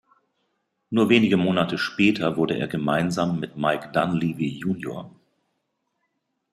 Nur wenige Monate später wurde er gemeinsam mit Mike Dunleavy, Jr.